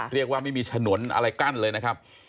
เรียกว่าไม่มีถนนอะไรกั้นเลยนะครับ